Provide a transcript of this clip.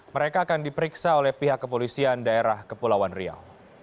mereka akan diperiksa oleh pihak kepolisian daerah kepulauan riau